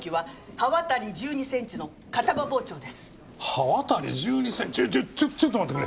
刃渡り１２センチちょちょっと待ってくれ！